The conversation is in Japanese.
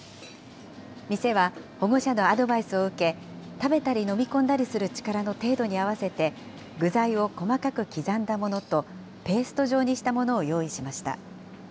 店は保護者のアドバイスを受け、食べたり飲み込んだりする力の程度に合わせて、具材を細かく刻んだものと、ペースト状にしたものを用意しました。